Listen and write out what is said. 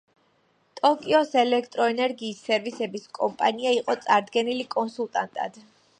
ტოკიოს ელექტროენერგიის სერვისების კომპანია იყო წარდგენილი კონსულტანტად.